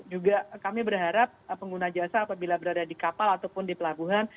juga kami berharap pengguna jasa apabila berada di kapal ataupun di pelabuhan